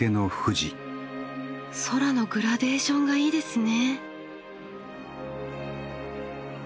空のグラデーションがいいですね。